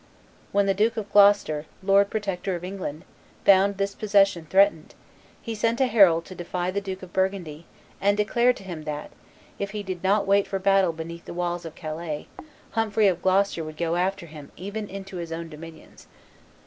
When the Duke of Gloucester, lord protector of England, found this possession threatened, he sent a herald to defy the Duke of Burgundy and declare to him that, if he did not wait for battle beneath the walls of Calais, Humphrey of Gloucester would go after him even into his own dominions.